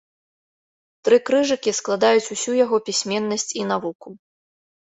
Тры крыжыкі складаюць усю яго пісьменнасць і навуку.